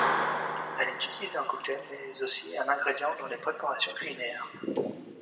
Elle est utilisée en cocktail mais est aussi un ingrédient dans des préparations culinaires.